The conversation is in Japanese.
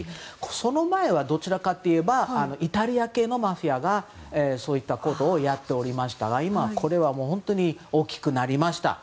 その前はどちらかといえばイタリア系のマフィアがそういったことをやっておりましたが今は大きくなりました。